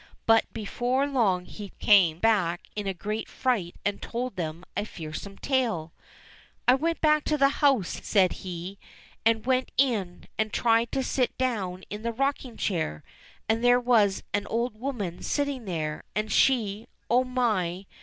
But before long he came back in a great fright and told them a fearsome tale ! "I went back to the house," said he, "and went in and tried to sit down in the rocking chair, and there was an old woman knitting there, and she — oh my